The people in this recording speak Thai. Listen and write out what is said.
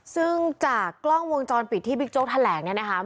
ซึ่งจากกล้องวงจรปิดที่บิ๊กโจ๊กแถลงเนี่ยนะคะ